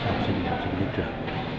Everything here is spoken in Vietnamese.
học sinh đã dẫn đến trường